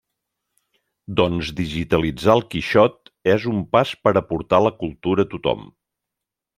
Doncs digitalitzar el Quixot és un pas per a portar la cultura a tothom.